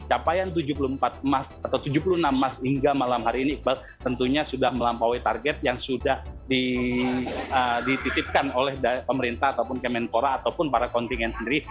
capaian tujuh puluh empat emas atau tujuh puluh enam emas hingga malam hari ini iqbal tentunya sudah melampaui target yang sudah dititipkan oleh pemerintah ataupun kemenpora ataupun para kontingen sendiri